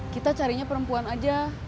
kita carinya perempuan saja